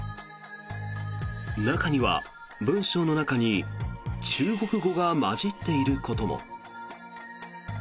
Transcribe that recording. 中には文章の中に中国語が交じっていることも。